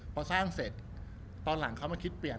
พอสร้างเสร็จตอนหลังเขามาคิดเปลี่ยน